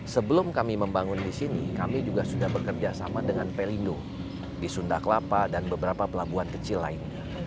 sebelum kami membangun di sini kami juga sudah bekerja sama dengan pelindo di sunda kelapa dan beberapa pelabuhan kecil lainnya